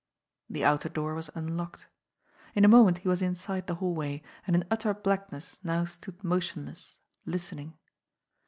The outer door was unlocked. In a moment he was inside the hallway, and in utter blackness now stood motionless, listening.